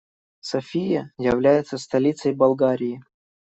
София является столицей Болгарии.